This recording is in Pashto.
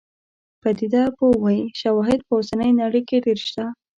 پدیده پوه وايي شواهد په اوسنۍ نړۍ کې ډېر شته.